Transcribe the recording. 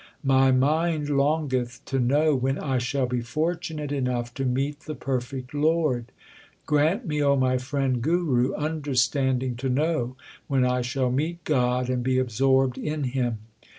LIFE OF GURU ARJAN 81 My mind longeth to know when I shall be fortunate enough to meet the perfect Lord. Grant me, O my friend Guru, understanding to know when I shall meet God and be absorbed in Him.